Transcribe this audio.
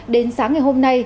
đến sáng ngày hôm nay